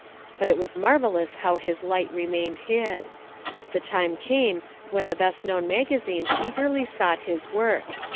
But it was marvellous how his light remained hid. The time came when the best known magazines eagerly sought his work.